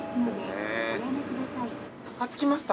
あっ着きました？